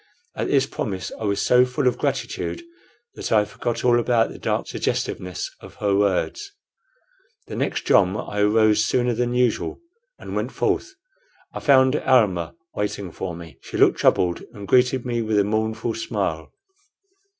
At this promise I was so full of gratitude that I forgot all about the dark suggestiveness of her words. The next jom I arose sooner than usual and went forth. I found Almah waiting for me. She looked troubled, and greeted me with a mournful smile.